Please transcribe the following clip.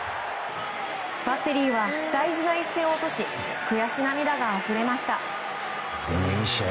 バッテリーは大事な一戦を落とし悔し涙があふれました。